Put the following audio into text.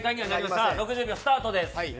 さあ、６０秒スタートです。